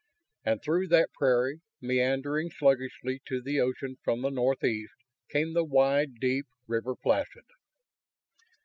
And through that prairie, meandering sluggishly to the ocean from the northeast, came the wide, deep River Placid.